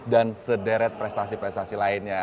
dan sederet prestasi prestasi lainnya